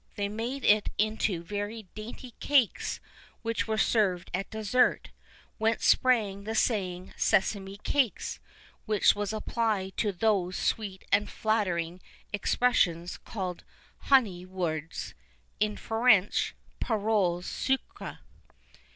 They made it into very dainty cakes, which were served at dessert,[II 23] whence sprang the saying sesame cakes, which was applied to those sweet and flattering expressions called honied words (in French, paroles sucrées).